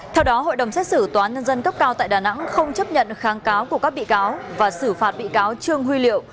theo đó hội đồng xét xử tòa án nhân dân cấp cao tại đà nẵng không chấp nhận kháng cáo của các bị cáo và xử phạt bị cáo trương huy liệu